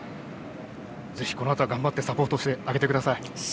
ぜひこのあと、頑張ってサポートしてあげてください。